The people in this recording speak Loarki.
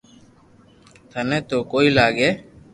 ٿني تو ڪوئي لاگي